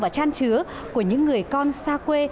và chan chứa của những người con xa quê